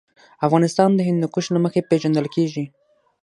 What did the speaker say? افغانستان د هندوکش له مخې پېژندل کېږي.